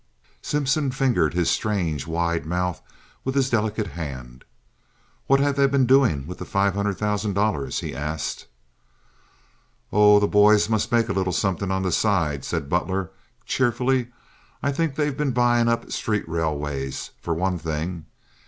Simpson fingered his strange, wide mouth with his delicate hand. "What have they been doing with the five hundred thousand dollars?" he asked. "Oh, the boys must make a little somethin' on the side," said Butler, cheerfully. "I think they've been buyin' up street railways, for one thing."